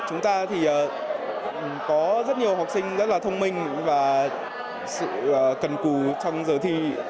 chúng ta thì có rất nhiều học sinh rất là thông minh và sự cần cù trong giờ thi